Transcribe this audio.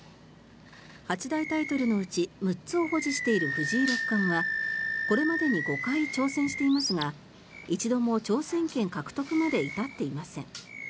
八大タイトルのうち６つを保持している藤井六冠はこれまでに５回挑戦していますが一度も挑戦権獲得まで至っていません。